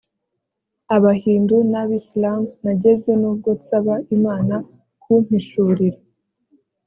abahindu n abisilamu nageze nubwo nsaba imana kumpishurira